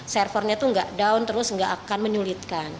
servernya itu nggak down terus nggak akan menyulitkan